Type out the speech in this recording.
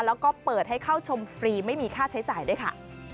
แล้วก็เปิดให้เข้าชมฟรีไม่มีค่าใช้จ่ายด้วยค่ะ